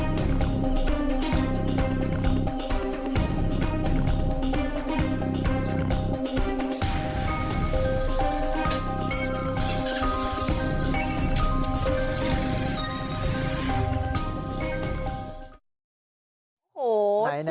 มีกล้องวงจรปิดจับภาพครับ